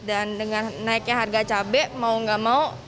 dan dengan naiknya harga cabai mau enggak mau